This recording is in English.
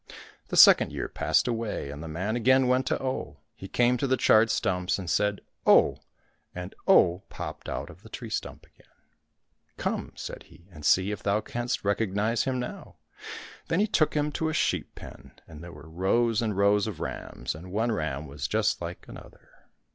The second year passed away, and the man again went to Oh. He came to the charred stumps and said, '' Oh !" and Oh popped out of the tree stump again. " Come !" said he, " and see if thou canst recognize him now." Then he took him to a sheep pen, and there were rows and rows of rams, and one ram was just like another.